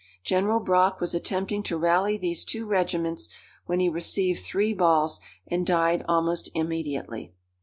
General Brock was attempting to rally these two regiments, when he received three balls, and died almost immediately.